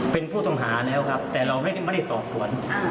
เป็นผู้ต้องหาแล้วครับแต่เราไม่ได้สอบสวน